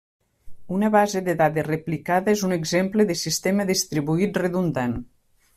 Una base de dades replicada és un exemple de sistema distribuït redundant.